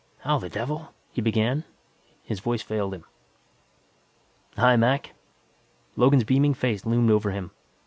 "How the devil ", he began. His voice failed him. "Hi, Mac." Logan's beaming face loomed over him.